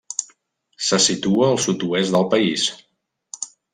Se situa al sud-oest del país.